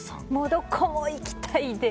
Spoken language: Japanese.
どこも行きたいです。